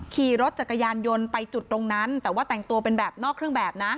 ขี่รถจักรยานยนต์ไปจุดตรงนั้นแต่ว่าแต่งตัวเป็นแบบนอกเครื่องแบบนะ